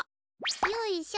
よいしょ。